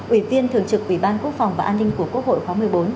ủy viên thường trực ủy ban quốc phòng và an ninh của quốc hội khóa một mươi bốn